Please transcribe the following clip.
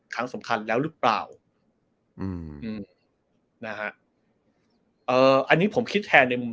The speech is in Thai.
ครั้งสำคัญแล้วหรือเปล่าอืมอืมนะฮะเอ่ออันนี้ผมคิดแทนในมุม